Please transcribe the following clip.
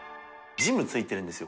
ジムついてるんですよ